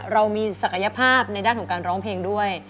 เรามีศักยภาพในด้านของการร้องเพลงด้วย